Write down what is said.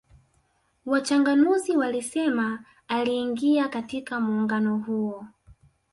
Wachanganuzi walisema aliingia katika muungano huo